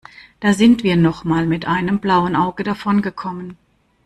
Da sind wir noch mal mit einem blauen Auge davongekommen.